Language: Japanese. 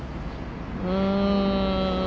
うん。